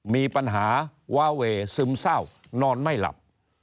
มีปัญหาวาเวซึมเศร้านอนไม่หลับ